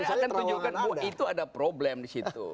saya akan tunjukkan oh itu ada problem di situ